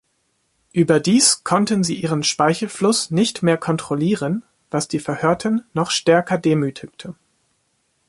Überdies konnten sie ihren Speichelfluss nicht mehr kontrollieren, was die Verhörten noch stärker demütigte.